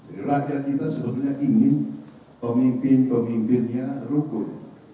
rakyat kita sebetulnya ingin pemimpin pemimpinnya rukun